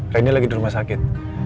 reni lagi di rumah sakit